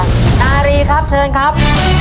นารีครับเชิญครับ